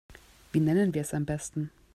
Wie nennen wir es am besten?